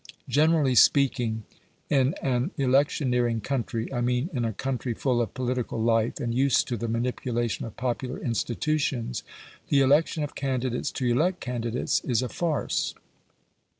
Generally speaking, in an electioneering country (I mean in a country full of political life, and used to the manipulation of popular institutions), the election of candidates to elect candidates is a farce.